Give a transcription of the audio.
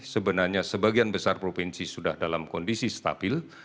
sebenarnya sebagian besar provinsi sudah dalam kondisi stabil